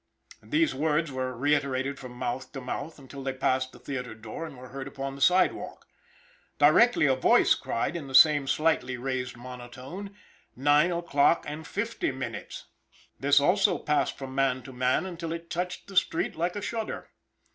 These words were reiterated from mouth to mouth until they passed the theater door, and were heard upon the sidewalk. Directly a voice cried, in the same slightly raised monotone: "Nine o'clock and fifty minutes!" This also passed from man to man, until it touched the street like a shudder.